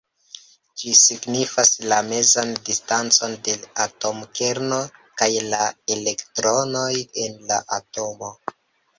Ĝi signifas la mezan distancon de la atomkerno kaj la elektronoj en la atomo.